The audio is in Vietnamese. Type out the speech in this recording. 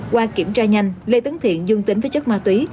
qua kiểm tra nhanh lê tấn thiện dương tính với chất ma túy